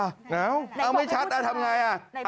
อ้าวไม่ชัดอ่ะทำไงอ่ะ